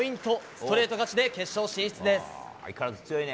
ストレート勝ちで決勝進出です。